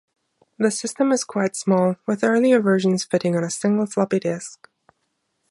The system is quite small, with earlier versions fitting on a single floppy disk.